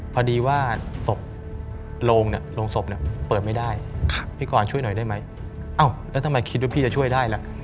พอดีว่าศพโรงเนี่ยโรงศพเปิดไม่ได้พี่กรช่วยหน่อยได้ไหมเอ้าแล้วทำไมคิดว่าพี่จะช่วยได้ล่ะ